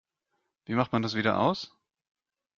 Wie macht man das wieder aus?